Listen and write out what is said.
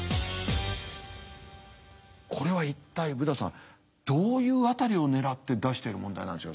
これは一体ブダさんどういう辺りをねらって出してる問題なんでしょう？